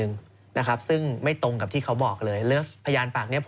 เออทำไมทำไมเล่าให้ฟังหน่อย